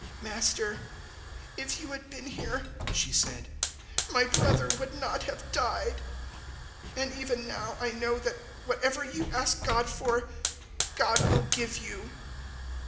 "Master, if you had been here," she said, "my brother would not have died. 011:022 And even now I know that whatever you ask God for, God will give you."